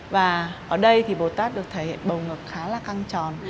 và ở đây thì bồ tát được thể hiện bầu ngợp khá là căng tròn